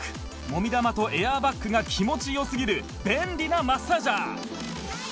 もみ玉とエアーバッグが気持ち良すぎる便利なマッサージャー